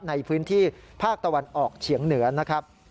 ในพื้นที่ภาคตะวันออกเฉียงเหนือนะครับ